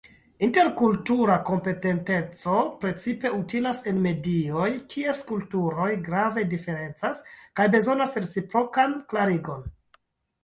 Interkultura kompetenteco precipe utilas en medioj, kies kulturoj grave diferencas kaj bezonas reciprokan klarigon.